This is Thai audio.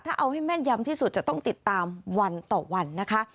ถ้าเอาให้แม่นยำที่สุดจะต้องติดตามวันต่อวันนะคะ